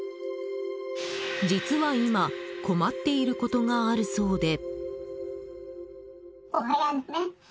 実は今困っていることがあるそうで。